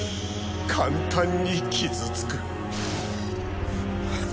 簡単に傷つく